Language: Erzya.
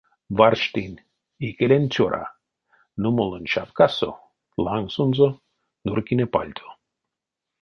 Варштынь — икелень цёра, нумолонь шапкасо, лангсонзо нурькине пальто.